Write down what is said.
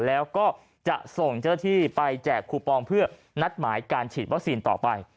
แล้วก็จะส่งเจ้าหน้าที่ไปแจกคูปองเพื่อนัดหมายการฉีดวัคซีนต่อไป